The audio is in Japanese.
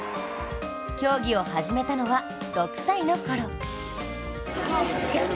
競技を始めたのは６歳のころ。